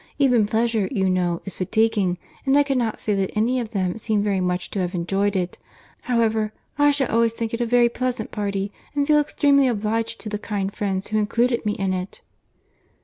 Even pleasure, you know, is fatiguing—and I cannot say that any of them seemed very much to have enjoyed it. However, I shall always think it a very pleasant party, and feel extremely obliged to the kind friends who included me in it."